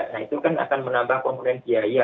nah itu kan akan menambah komponen biaya